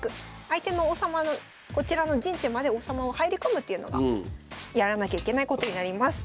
相手の王様のこちらの陣地まで王様を入り込むというのがやらなきゃいけないことになります。